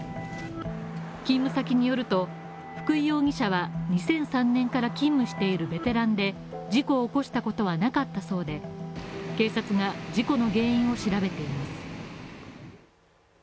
勤務先によると、福井容疑者は２００３年から勤務しているベテランで事故を起こしたことはなかったそうで、警察が事故の原因を調べています。